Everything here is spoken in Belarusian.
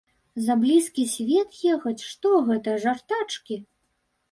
За блізкі свет ехаць, што гэта, жартачкі?